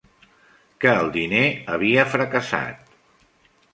Que el diner havia fracassat.